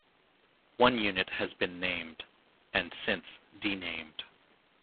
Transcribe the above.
One unit has been named - and since denamed.